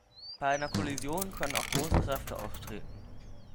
Bei einer Kollision können auch große Kräfte auftreten.